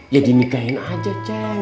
ya dinikahin aja ceng